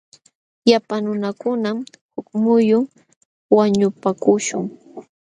Llapa nunakunam huk muyun wañupaakuśhun.